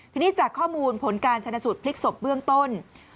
ทีนี้จากข้อมูลผลการชนะสูตรพลิกศพเบื้องต้น